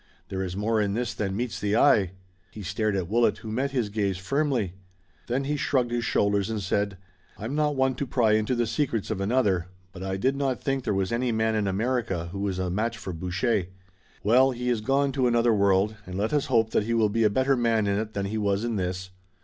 There is more in this than meets the eye!" He stared at Willet, who met his gaze firmly. Then he shrugged his shoulders and said: "I'm not one to pry into the secrets of another, but I did not think there was any man in America who was a match for Boucher. Well, he is gone to another world, and let us hope that he will be a better man in it than he was in this.